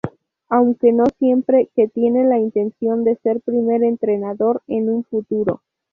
Aunque no siempre, que tiene la intención de ser primer entrenador en un futuro.